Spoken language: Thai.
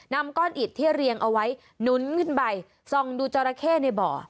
นำก้อนอิดที่เรียงเอาไว้หนุนขึ้นไปส่องดูจราเข้ในบ่อ